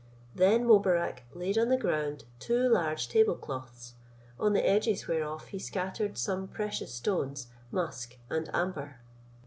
Then Mobarec laid on the ground two large table cloths, on the edges whereof he scattered some precious stones, musk, and amber.